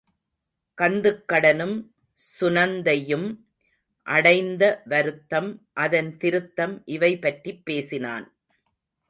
கந்துக்கடனும் சுநந்தையும் அடைந்த வருத்தம் அதன் திருத்தம் இவைபற்றிப் பேசினான்.